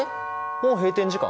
もう閉店時間？